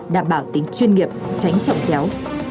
đảm bảo tính chuyên nghiệp tránh trọng chéo